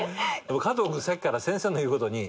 加藤君さっきから先生の言うことに。